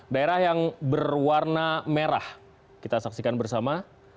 daerah yang berwarna merah kita saksikan bersama